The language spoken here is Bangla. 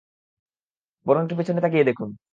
বরং একটু পেছনে তাকিয়ে দেখুন।